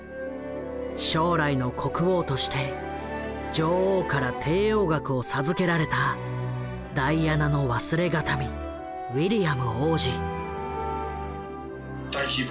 将来の国王として女王から帝王学を授けられたダイアナの忘れ形見ウィリアム王子。